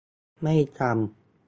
ไม่จำ